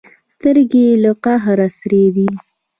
سترګې یې له قهره سرې دي.